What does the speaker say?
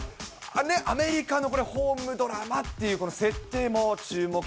アメリカのこれ、ホームドラマっていう、この設定も注目。